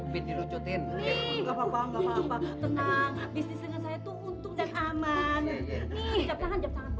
boleh juga tuh